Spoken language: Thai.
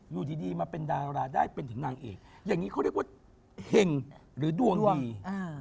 อยู่ดีมาเป็นดาราได้เป็นถึงนางเอกอย่างนี้เขาเรียกว่าเห็งหรือดวงดี